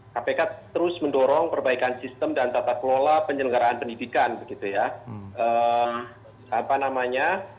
kpk terus mendorong perbaikan sistem dan tata kelola penyelenggaraan pendidikan begitu ya